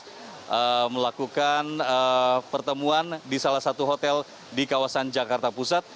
pada pukul dua belas hingga pukul tiga belas melakukan pertemuan di salah satu hotel di kawasan jakarta pusat